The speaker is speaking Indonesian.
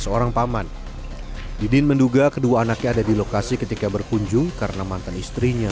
seorang paman didin menduga kedua anaknya ada di lokasi ketika berkunjung karena mantan istrinya